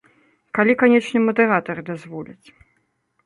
Калі, канечне, мадэратары дазволяць.